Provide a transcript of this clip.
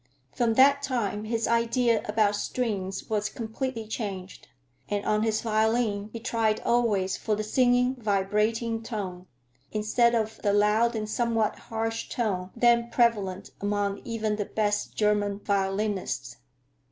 From that time his idea about strings was completely changed, and on his violin he tried always for the singing, vibrating tone, instead of the loud and somewhat harsh tone then prevalent among even the best German violinists.